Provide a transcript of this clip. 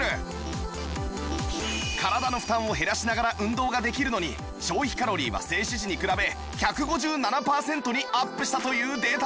体の負担を減らしながら運動ができるのに消費カロリーは静止時に比べ１５７パーセントにアップしたというデータも